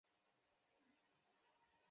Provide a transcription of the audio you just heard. তাই এদের উচ্চতা পরিমাপ করা যায় না ঠিকভাবে।